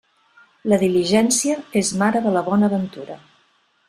La diligència és mare de la bona ventura.